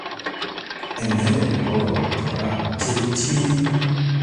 Emmere okukola obutwa kye ki?